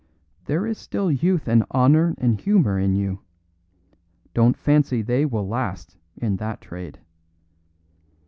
There is still youth and honour and humour in you; don't fancy they will last in that trade.